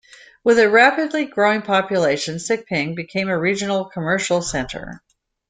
With a rapidly growing population, Siping became a regional commercial center.